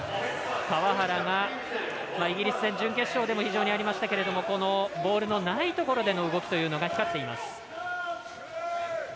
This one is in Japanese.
川原が、イギリス戦準決勝でも非常にありましたがボールのないところでの動きというのが光っています。